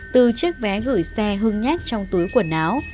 từ chiếc vé gửi xe hưng nhét trong túi quần áo